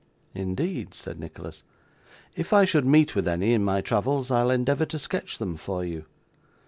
'Indeed!' said Nicholas. 'If I should meet with any in my travels, I'll endeavour to sketch them for you.